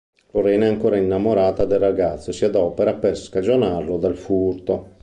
Lorena è ancora innamorata del ragazzo e si adopera per scagionarlo dal furto.